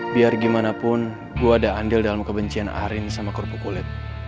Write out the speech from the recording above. biar gimana pun gue ada andil dalam kebencian arin sama kerupuk kulit